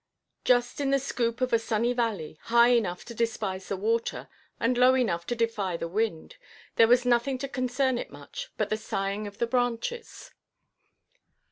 Just in the scoop of a sunny valley, high enough to despise the water, and low enough to defy the wind, there was nothing to concern it much, but the sighing of the branches.